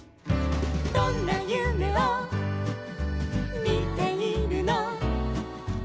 「どんなゆめをみているの」